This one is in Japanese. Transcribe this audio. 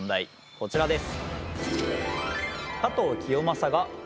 こちらです。